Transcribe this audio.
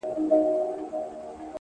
له دې نه مخكي چي ته ما پرېږدې ـ